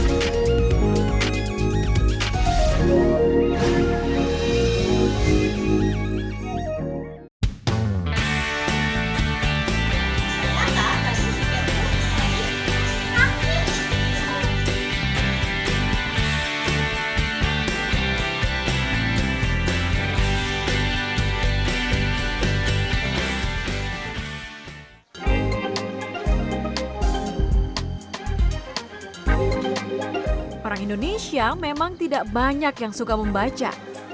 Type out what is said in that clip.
orang indonesia memang tidak banyak yang suka membaca